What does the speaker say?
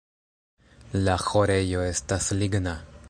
La ĥorejo estas ligna.